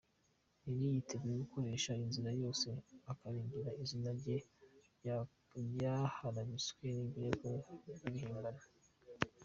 Nelly yiteguye gukoresha inzira zose akarengera izina rye ryaharabitswe n’ibirego by’ibihimbano.